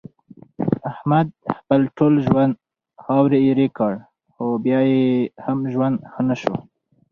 احمد خپل ټول ژوند خاورې ایرې کړ، خو بیا یې هم ژوند ښه نشو.